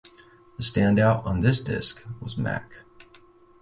The standout on this disc was Mac.